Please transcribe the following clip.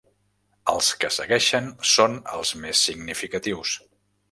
Els que segueixen són els més significatius.